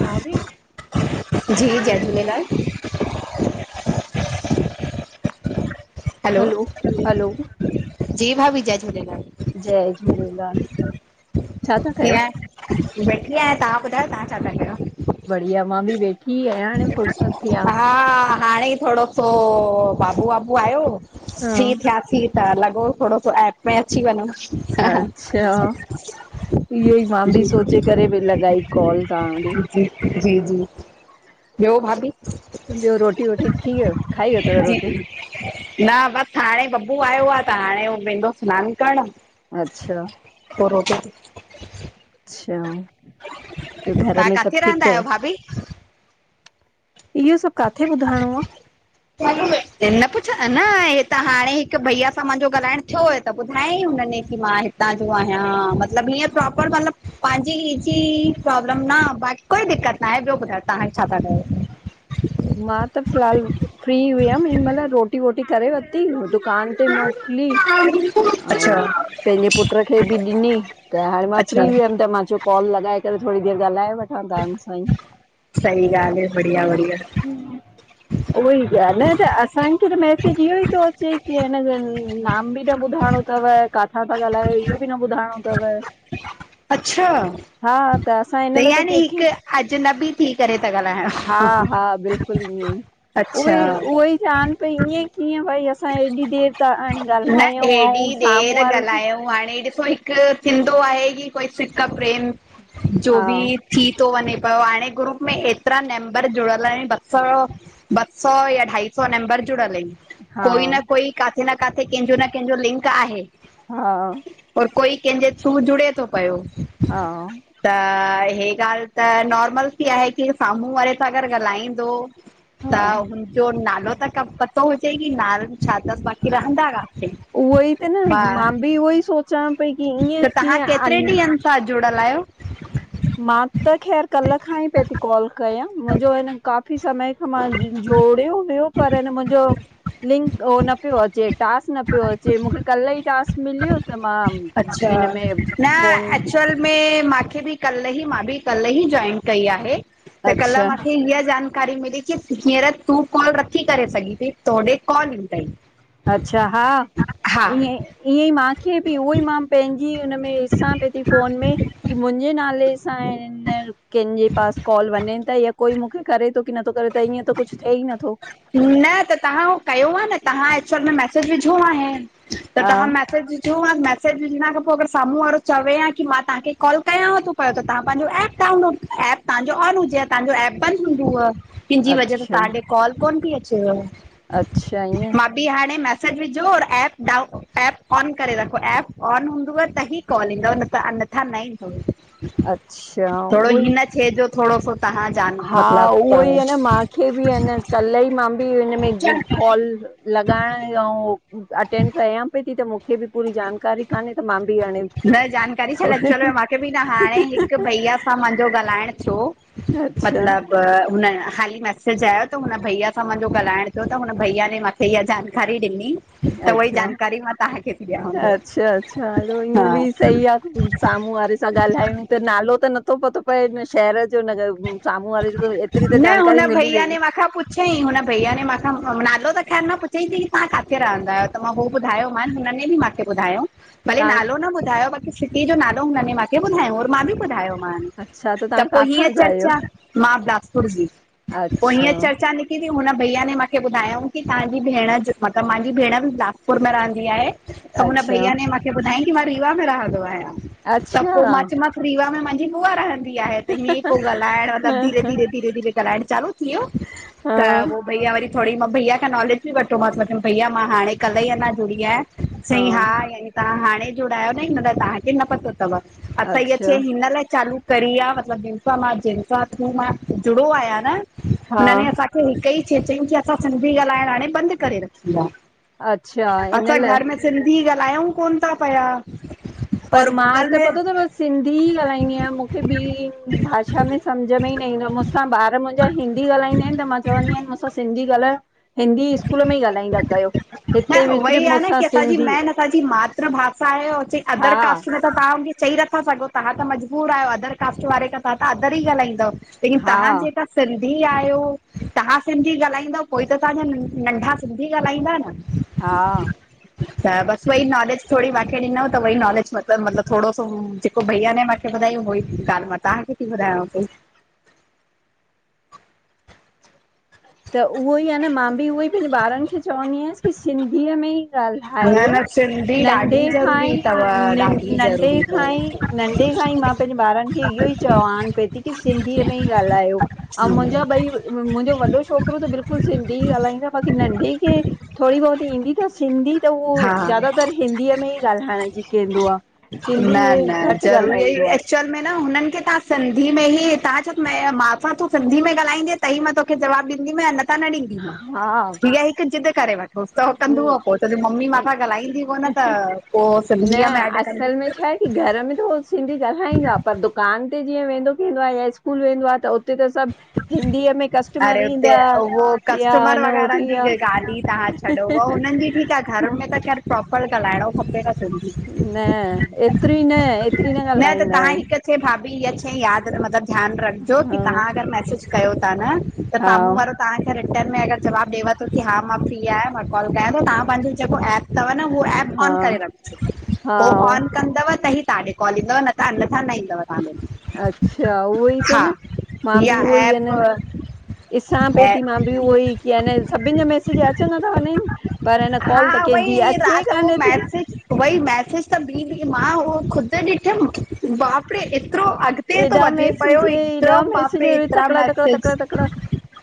भाभी। जी, जय झूलेलाल हलो जी भाभी, जय झूलेलाल। जय झूलेलाल। छा था कयो? कीअं वेठी आहियां तव्हां ॿुधायो तव्हां छा था कयो? बढ़िया, मां बि वेठ की अयां? हा। हाणे ई थोड़ो सो बाबू वाबू आहियो, हा फ्री थियासीं। त लॻो थोड़ो सो ऐप में अची वञउ। अच्छा इहो ई मां बि सोचे करे भई लॻाई कॉल तव्हां ॾे। जी जी। ॿियो भाभी? ॿियो रोटी वोटी थी वयव खाई वतव जी रोटी? न बसि हाणे बब्बू आयो आहे त हाणे हू वेंदो सिनान करण। अच्छा। पोइ रोटी‌ वोटी? अच्छा ॿियो घर तहां में सभु काथे ठीक रहंदा आहियो तव? भाभी? इहो सब काथे ॿुधाइणो आ? न पुछ न हे त हाणे हिकु भइया सां माहिंजो ॻाल्हाइण थियो हो त ॿुधायईं हुनने की मां हितां जो आहियां मतिलबु ईीअं प्रोपर मतलब पंहिंजी जी प्राब्लम न बा कोई दिक़्कत ना आहे। ॿियो ॿुधायो तव्हां छा था कयो? मां त फ़िलहाल फ्री हुयमि हिन माहिल रोट रोटी करे वरिती दुकान ते मोकिली। अच्छा ऐं पंहिंजे पुट खे बि ॾिनी त हाणे मां अच्छा फ्री वियमि त मां चयो कॉल लॻाए करे थोड़ी देर ॻाल्हाए वटि। सही ॻाल्ह आहे बढ़िया बढिया। हं। उह ई ॻाल्ह आहे न असांखे त मैसेज इहो ई थो अचे की हिन नाम बि न ॿुधाइणो अथव काथां था ॻाल्हायो इहो बि न ॿुधाइणो अथव अच्छा। हा त असां हिन त लाइ यानी हिक कंहिंखे अजनबी थी करे ता ॻाल्हायां। हा हा बिल्कुलु ईएंं ई। उहे अच्छा ई उहे ई चवानि पई ईअं कीअं भई असां हेॾी देर ता हाणे ॻाल्हायूं ऐं साम्हूं केर वारे खे ॻाल्हाए? हाणे ॾिसो हिकु थींदो आहे की कोई सिक प्रेम जो हा बि थी थो वञे पयो हाणे ग्रुप में एतिरा मेम्बर जुड़ियल आहिनि ॿ सौ ॿ सौ या अढाई सौ मेम्बर जुड़ल अईंन। हा कोई न कोई काथे न काथे कंहिंजो न कंहिंजो लिंक आहे। हा और कोई कंहिंजे थ्रू जुड़े थो पयो। हा। त हे ॻाल्ह त नॉर्मल थी आहे की साम्हूं वारे सां गॾ ॻाल्हाईंदो त हा हुनजो नालो त ख पतो हुजे की नाल उहो ई त न, हा मां बि उहो ई सोच चवां पई कि, ईअं कीअं अञ? तहां जुड़ल आहियो? मां त ख़ैरु, कल्ह खां ई पई थी कॉल कयां मुंहिंजो आहे न काफ़ी समय खां, मां ज जोड़ियो हुयो पर हिन मुंहिंजो लिंक ओ ‌न पियो अचे टास्क न पियो अचे, मुखे कल्ह ई टास्कु मिलियो त मां हिनमें फोनु मे माखे बि कल्ह ई मां बि कल्ह ई जॉइन कई आहे, त कल्ह अच्छा माखे हीअ जान कारी मिली, कि हींअर तूं कॉल नथी करे सघीं, थी तोॾे कॉल ईंदई। अच्छा हा, हा ईअं- ईअं ई माखे बि उहो ई मां पंहिंजी हुन में ॾिसां पई थी फ़ोन में, कि मुंहिंजे नाले सां अं कंहिंजे पास कॉल वञे तई या कोई मुखे करे थो, की नथो करे त ईअं त कुछ थिए ई नथो। न त तव्हां उ कयो हा न, तव्हां एक्चुअल में मैसेज विझो आहें। [unintelligible] त हा तव्हां मैसेज मैसेज विझण खां पोइ अगरि साम्हूं वारो चवे हां की मां तव्हांखे कॉल कयां थो, पियो तव्हां पंहिंजो एप डाउनलोड एप तव्हांजो ऑन हुजे आ, तव्हांजो एप बंद हूंदव, तहिंजी वजह सां अच्छा तव्हां ॾे कॉल कोन थी अचेव। अच्छा ईअं। दी हाणे मैसेज विझो, और एप डाउ एप ऑन करे रखो, एप ऑन हूंदव त ही कॉल ईंदव, न त अन्यथा न ईंदो। अच्छा थोड़ो उहो ई हिन हे जो थोड़ो सो तव्हां जान मतलबु त फिर बि आहेन, कल् ई मां बि हिन में कोल लॻाइण ऐं यां ओ अटेंंड कयां पई थी, त मूंखे बि पूरी जानकारी कोन्हे त मां बि हाणे न जानकारी छॾ थोरी एचुल मूंखे बि न हाणे, हिकु भईया सां मुंहिंजो ॻाल्हाइण थियो। अच्छा मतिलबु त हुन हाली मैसेज आयो, त हुन भइया सां मुंहिंजो ॻाल्हाइणु थियो। त हुन भइया ने इहा जानकारी ॾिनी, त उहाई अच्छा जानकारी मां तव्हांखे थी अच्छा अच्छा हलो ॾियांव। ईअं हा बि सही आ साम्हूं वारे सां ॻाल्हायूं, त नालो त नथो पतो पए हिन शहर जो न साम्हूं वारे जी, एतिरी त जानकारी मिली वेंदी चईं हुन भईया ने, मूंख नालो त ख़ैरु न पुछई की तव्हां काथे रहंदा आहियो? त मां उहो ॿुधायो मान हुने बि मांखे ॿुधायो, भले तव्हां नालो न ॿधायो बाकी सिटीअ जो नालो हुननि मांखे ॿधायो मां बि ॿुधायोमानि, अच्छा त तव्हां पोइ काथां हीअं जा आहियो चर्चा आं बिलासपुर जी, पोइ हींअ अच्छा चर् चा निकि जी हुन भईया ने मांखे ॿुधायो की तव्हांजी भेण मतिलबु मुंहिंजी भेण बि बिलासपुर में रहंदी आहे। त हुन अच्छा भइया ने मूंखे ॿुधायईं, कि मां रीवा में रहंदो आहियां। त अच्छा पोइ मां चयोमांसि रीवा में मुंहिंजी बुआ रहंदी आहे। त हीअं ई पोइ ॻाल्हाइणु ह पो धीरे- धीरे ॻाल्हाइण चालू थी वियो, हा त पोइ भैया वरी थोड़ी मां भैया खां नॉलेज बि वठतो मांसि, मा चम भईया मां हाणे कल्ह ई अञा जुड़ी आहियां चईं हा यानी तव्हां हाणे जुड़िया आहियो न, मतलबु तव्हांखे न पतो तव असां इअ अच्छा चैन हिन लाइ चालू करी आ, मतिलबु दिलसा मार्जिन [unintelligible] ता खूं मां जुड़ो आहियां न, हा हुननि असां फिर हिक ही शइ चई की असां सिधी ॻालाइण हाणे बंदि करे रखी आह अच्छा इन असां लाइ घर में सिंधी ॻाल्हायूं कोन था पया पर मां त पतो तव सिंधी ई ॻाल्हाईंदी आहियां। मूंखे ॿी भाषा में सम्झ में ई न ईंदो आहे मूंसां ॿार मूंसा हिंदी ॻाल्हाईंदा आहिनि त मां चवंदी आहियां मूंसां सिंधी ॻाल्हायो हिंदी स्कूल में ई ॻाल्हाईंदा कयो। न हिते उहो विसरी ई आहे न मूंसां की असांजी सिंधी। मेन असांजी मातृ भाषा आहे ऐ और हा अदर कास्ट में त तव्हां बि चई नथा सघो तव्हां त मजबूर आहियो अदर कास्ट वारे खां तव्हां त अदर ई ॻालाहाईंदव लेकिन हा तव्हां जेका सिंधी आहियो। तव्हां सिंधी ॻाल्हाईंदव पोई त तव्हांजा नंढा सिंधी ॻाल्हाईंदा न। हा त बसि वई नॉलेज थोरी मूंखे ॾिनो त उहो ई नॉलेज मतिलब मतिलबु थोरो सो जेको भईया न मूंखे ॿुधाई उहो ई ॻाल्हि मां तव्हांखे घुरायांव पई। त उहो ई आहे न मां बि उहो ई पंहिंजे ॿारनि खे चवंदी आयसि की सिंधीअ में ई न ॻाल्हायो न सिंधी नंढे ॾाढी खां ज़रूरी अथव ई ॾाढी नंढे ज़रूरी खां ई अथव नंढे खां ई मां पंहिंजे ॿारनि खे इहो ई चवान पई। कि सिंधीअ मे ही गाल्हायो उहो मुहिंजा ॿई मुहिंजो वॾो छोकिरो त बिल्कुलु सिंधी ई ॻाल्हाईंदो बाक़ी नंढे के थोरी बहुत ईंदी अथस सिंधी त हू हा ज्यादातर हिंदीअ में ई ॻाल्हाइण जी कंदो आ। सिंधी हू घटि ॻाल्हाईंदो आ। चल मैं न हुननि खे तव्हां सिंधी में ई तव्हां चऊं मै मां सां तूं सिंधी में ॻाल्हाईंदे त ही मां तोखे जवाबु ॾींदी मां अनथा न ॾींदी मां। आहे हीअ हिकु ज़िद करे वठो। रोज त हू कंदो आहे हा पोइ मम्मी मा सां ॻाल्हाईंदी कोन त पोइ न सिंधीअ में ऐड असल कंदो। में छा आहे की घर में त हू सिंधी ॻाल्हाईंदो आहे पर दु दुकान ते जीअं वेंदो केंदो आहे या स्कूल वेंदो आ त उते त सभु हिंदीअ में कस्टमर अरे हुते ईंदा उहो या कस्टमर न हो वग़ैरह थी जी विया ॻाल्ह ही तव्हां छदो। हुननि जी त घर हं, में त खेरु प्रोपर ॻालाइणो खपे न सिंधी। न हेतिरी न, हेतिरी न ॻाल्हाईंदा आहिनि। मूंखे भाभी इहा शई यादि न मतलबु ध्यानु रखजो की हा तव्हां अगरि मैसेज कयो था न त हा साम्हूं वारो तव्हांखे रिटर्न में अॻरि जवाब ॾेवा थो की हा मां फ्री आहिया मां कॉल कयां थो तव्हां पंहिंजो जेको ऐप तव्हां न हो ऐप हा आॅन करे रख जो। हा हो आॅन कंदव ताढे कॉल ईंदव न त अनथा न ईंदव। तव्हां अच्छा, उहोई ॾे त हा न मां बि इहा उहोई या न ऐप ॾिसां पई ऐं थी मां बि उहो ई की न सभिनि जा मैसेज अचंदा ता वञनि। पर न हा कॉल त कंहिंजी उहोई अचे ई राति कानह थी। मैसेज उहो मैसेज त बी मां उहो ख़ुद ॾिठम बापरे एतिरो अॻते थो हेॾा वधे पियो मैसेज हेॾा हिकदमि मैसेज बापरे हेतिरा तकिड़ा तकिड़ा मैसेज। तकिड़ा तकिड़ा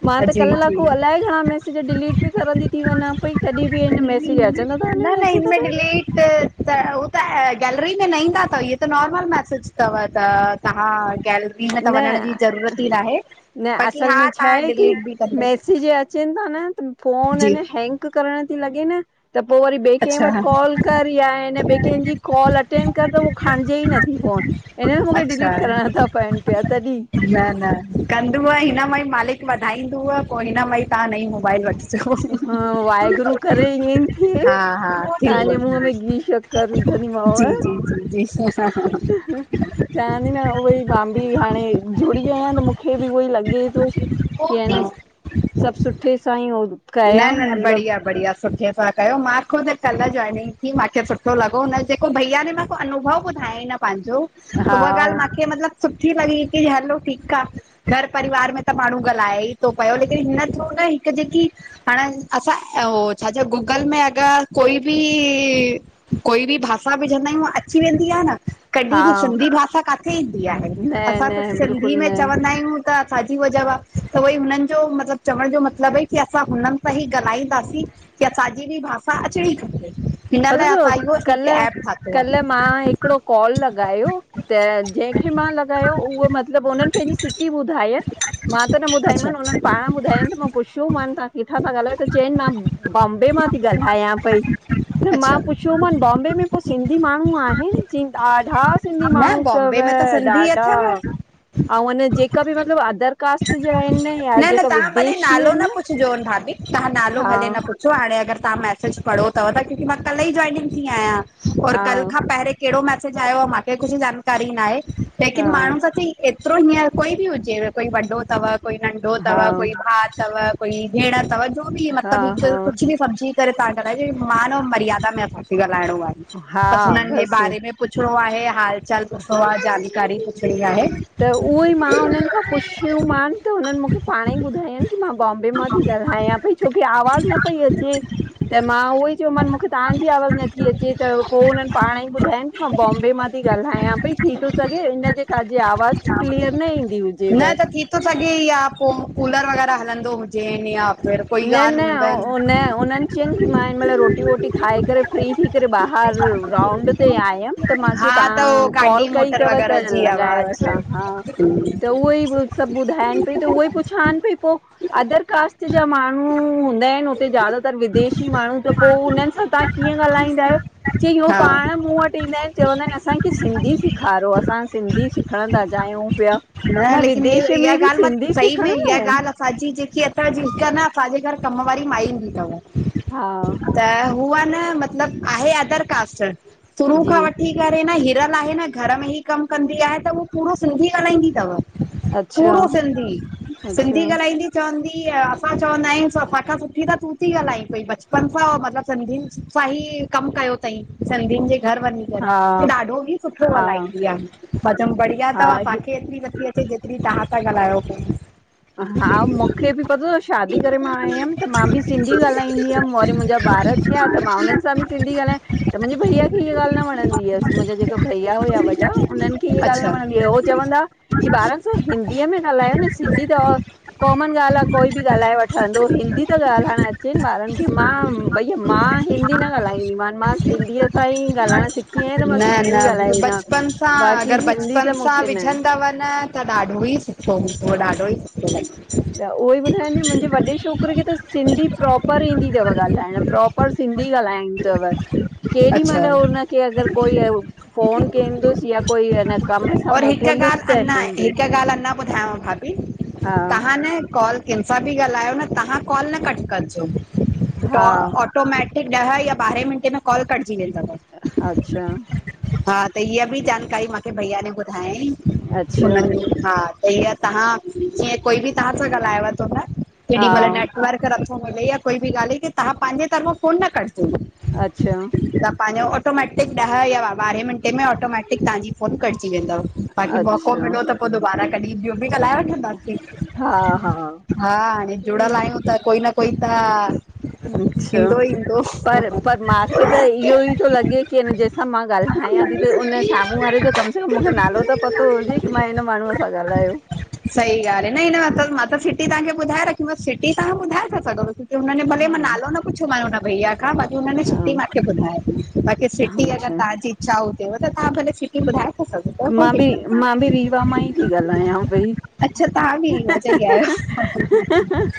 मां त कल जी जी लाकू अलाए घणा मैसेज डिलीट बि करंदी थी वञा पई तॾहिं बि हिन मैसेज अचंदा था न वञनि न अचंदा हिनमें था वञनि डिलीट उहो त गैलरी में न अथव त नाॅर्मल मैसेज अथव त तव्हां गैलरी गैलरी में त वञण जी न ज़रूरत ई ना आहे। न बाक़ी असल हा में छा तव्हां आहे की डिलीट बि कंदव मैसेज अचन था न त फोन है जी न हैंग करणु ती लॻे न त पोइ ॿिए खे वठि अच्छा कॉल करि, या ॿिए कंहिंजी कॉल कॉल अटेंड कर त उहो खणिजे ई नथी फ़ोन इननि मूंखे अच्छा डिलीट करण था पवनि पिया तॾहिं। न न कंदव हिन मां ई मालिक वधाईंदव पोइ हिन मां ई तव्हां नईं हा, वाहेगुरु करे ईअं ई थिए। हा हा तव्हांजे मुंह थींदव में घी शकर। कर विझणु ॾींमांव। जी जी जी जी चवांदी न उहोई मां बि हाणे जुड़ी आहियां त मूंखे बि उहोई लॻे थो की न हा सभ‌ सुठे सां ई ओ न न न बढिया-बढ़िया सुठे सां कयो मां खूद कल जोइनिंग थी माखे सुठो लॻो हुन जेको भईया न मां अनुभव ॿुधाई हिन पांहिंजो हा उहा ॻाल्ह मूंखे मतलबु सुठी लॻी की हलो ठीक आ घर परिवार में त माण्हू ॻाल्हाए ई तो पियो, लेकिन हिन थ्रू न हिक जेकी हाणे असां ओ छाजे गूगल में अगर कोई बि कोई बि भाषा विझंदा आहियूं अची वेंदी आहे न कॾहिं हा ॿी सिन्धी भाषा काथे ईंदी आहे? न असां न त सिन्धी बिल्कुलु में न चवंदा आहियूं थाजी वजव आ उई हुनिन जो मतलबु चवण जो मतिलबु ई की असां हुनिन सां ई ॻाल्हाईंदासीं, की असांजी ॿि भाषा अचणी खपे। हिन पतो लाइ तव असां इहो कल, हिकु ऐप ठातो कल आहे मां हिकिड़ो कॉल लॻायो त जंहिंखे मां लॻायो उहो मतलबु उन्हनि पंहिंजी सिटी ॿुधायन। मां त न ॿुधाईमानि अच्छा उन्हनि पाण ॿुधायन पुछो मान तव्हां किथां था ॻाल्हायो? त चयन मां बॉम्बे मां थी ॻाल्हायां पई। त मां अच्छा पुछियोमान बॉम्बे में पोइ सिंधी माण्हू आहिनि? चऊन ॾाढा सिन्धी न माण्हू बॉम्बे में त तवं सिंधी ॾाढा अथव आऊ अन जेका बि मतिलब अदर कास्ट जा आहिन या जेका विदेशी आहिन पूंछ जो न भाभी? तव्हां नालो भले न पूंछ ॾिसो हाणे अगर तव्हां मैसेज पढ़ो अथव तक मां कल ई जॉइनिंग थी आहियां, और हा कल खां पहिरें कहिड़ो मैसेज आयो आहे? माखें कुछ जानकारी ना आहे लेकिन हा माण्हू सां एतरो ही कोई बि हुजेव कोई वॾो अथव कोई नंढो हा अथव कोई भाउ अथव कोई भेण तव जो बि हा मतलब हिक हा कुछ ॿि समझी करे तव्हां ॻाल्हाय जो मान ऐं मर्यादा में थी ॻाल्हाइणो आहे, हा हा बसि हुननि जे बसि बारे में पुछिणो आहे, हाल चाल पुछिणो आ, जानकारी पुछणी आहे। त उहो ई मां उन्हनि खां पुशों मांन त हुनिन मूंखे पाणे ई ॿुधायं हिन की मां बॉम्बे मां थी ॻाल्हायां पई, छोकी आवाज़ न पई अचे। त मां उहो ई चयोवमानि मूंखे तव्हांजी आवाज़ नथी अचे, त पोइ उननि पाण ई ॿुधाइनि मां बॉम्बे मां थी ॻाल्हायां पई, थी थो सॻे इजे क आवाज़ क्लीअर न ईंदी हुजेव? न त थी थो सॻे या पोइ कूलर वग़ैरह हलंदो हुजने या फिर कोई न-न ॻाल्हि हूंदनि उननि चयनि कि मां हिन मेल रोटी वोटी खाई करे फ्री थी करे ॿाहर राउंड ते आयम त मां चयो हा त उहो तव्हां कॉल गाॾी कई मोटर तवं वग़ैरह त जी लॻाय आवाज़ व हा, त उहोई सभु ॿुधाइनि पई त उहो ई पूछा पूछान पई पोइ अदर कास्ट जा माण्हू हूंदा आहिनि हुते ज्यादातर विदेशी माण्हू त पोइ हुनननि सां तव्हां कीअं ॻाल्हाईंदा आहियो? चयूं हो हा पाण मूं वटि ईंदा आहिनि चवंदा आहिनि असांखे सिंधी सिखारो असां सिंधी सिखणु था चाहियूं पिया। न, मां लेकिन इया विदेश में इहा बि ॻाल्हि मा सिंधी सही में सिखणंदा इहा आहिनि ॻाल्हि असांजी जेकी, असां जी हिकु अन असांजे घर कम वारी माई ईंंदी अथव हा त उवा न मतिलबु आहे अदर कास्ट शुरू जी खां वठी करे न हिरल आहे न घर में ई कम कंदी आ त पूरो सिंधी ॻाल्हाईंदी तव। अच्छा पूरो सिंधी, सिंधी अच्छा ॻाल्हाईंदी चवंदी असां चवंदा आहियूं असांखां सुठी त तू थी ॻाल्हाई कोई बचपन सां हो मतलबु सिंधियुनि सां ई कमु कयो तई, सिंधियुनि जे घर वञी हा ॾाढो ई सुठो हा हलाईंदी आ, मां चवम बढ़िया अथव हा एतिरी नथी अचे जेतिरी तहां था ॻाल्हायो पो। हा, मूंखे बि पतो त‌व शादी करे मां आयम, त मां बि सिंधी ॻाल्हाईंदी हुयमि वरी मुंजा ॿार थया त मां हुन्हनि सां बि सिंधी ॻाल्हाया त मुंहिंजे भईया खे इहा ॻाल्हि न वणंदी हुयस, मुंहिंजा जेके भैया हुया वॾा उन्हनि खे इहा ॻाल्हि अच्छा न वणंदी आहे चवंदा की ॿारन सां हिंदीअ में ॻाल्हायो न सिंधी त कॉमन ॻाल्हि आ कोई बि ॻाल्हाए वठंदो हिंदी त ॻाल्हाइणु अचेनि ॿारनि खे, मां भई मां हिंदी न ॻाल्हाईंदी मान, मां सिंधीअ सां ई ॻाल्हाइण सिखी आयां त मां न सिंधी न ई ॻाल्हाईंदम। बचपन सां, अगर बचपन सां विझंद् तव न त ॾाढो ई सुठो हूंदो, ॾाढो ई सुठो लॻे। त उहो ई ॿुधायान पइ मुंहिंजे वॾे छोकिरे खे त सिंधी प्रोपर ईंदी थव ॻाल्हाइण प्रोपर पर सिंधी ॻाल्हायूं थव। केॾी मइल अच्छा हुनखे अगर कोई फोन कंदुसि या कोई हिन कम सां मोकल हिक ॻाल्हि अंञा, हिकु ॻाल्हि अंञा ॿुधायांव भाभी, हा तव्हां न काॅल [inaudible] केंसा बि ॻाल्हायो न तव्हां कॉल न कट करजो, त हा आटोमेटिक ॾह या ॿारहें मिनट में काल कटजी वेंदव अच्छा त हिय बि जानकारी मांखे भईया ने ॿुधायांई, कि हुन अच्छा हा, त हीअ तहां जीअं कोई बि तहां सां ॻाल्हाए थो न, केॾी हा मइल नेटवर्क नथो मिले या कोई बि ॻाल्हि की, तव्हां पंहिंजे तरफ़ां फ़ोन न कटजो। अच्छा। त पंहिंजो ऑटोमैटिक ॾह या ॿारहें मिंटे में ऑटोमैटिक तव्हांजी फोन कटजी वेंदव। बाक़ी मौको अच्छा मिलियो त पो दुबारा कॾहिं ॿियो बि ॻाल्हाए वठंदासीं। हा हा हा, हाणे जुड़यल आयूँ त कोई न कोई त अच्छा, ईंदो ईंदो पर- सही पर मां खे त इहो ई थो लॻे की जंहिं सां मां ॻाल्हायां थी त उन साम्हूं वारे त कम से कम मूंखे नालो त पतो हुजे कि मां हिन माण्हूअ सां ॻाल्हायो। सही ॻाल्हि आ, न-न मां सिटी तहांखे ॿुधाए रखी, मस सिटी तहां ॿुधाए ता सघो। त हुने भले हा मां नालो न पुछियोम हुन भईया खां वरी हुन सिटी हा मूंखे ॿुधाय बाक़ी सिटी अगर अच्छा तहांजी चाहो तेव त तां भले सिटी ॿुधाए था सघो। था कोई मां बि, दिक़त मां कान्हे बि रीवा मां ई थी ॻाल्हायां पई। अच्छा, तहां बि रीवा जा ही आयो।